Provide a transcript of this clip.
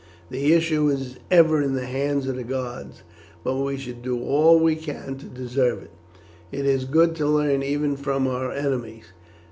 The issue is ever in the hands of the gods, but we should do all we can to deserve it. It is good to learn even from our enemies.